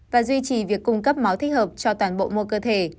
và duy trì việc cung cấp máu thích hợp cho toàn bộ môi cơ thể